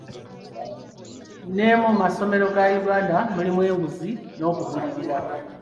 Ne mu masomero ga Uganda mulimu enguzi n'okugulirira.